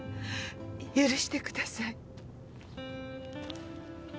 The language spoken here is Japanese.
許してください。